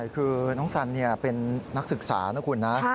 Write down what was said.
คือน้องสันเป็นนักศึกษานะคุณนะ